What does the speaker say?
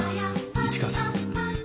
市川さん。